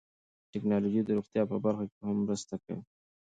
ټکنالوژي د روغتیا په برخه کې هم مرسته کوي.